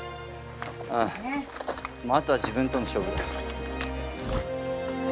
あとは自分との勝負だ。